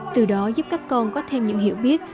từ đó giúp các con có thêm những hiểu biết